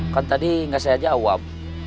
kan tadi nggak saya jawab